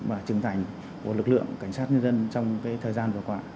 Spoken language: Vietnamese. và trưởng thành của lực lượng cảnh sát nhân dân trong thời gian vừa qua